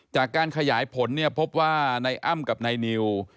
จากการขยายผลเนี่ยพบว่านายอ้ำกับนายนิว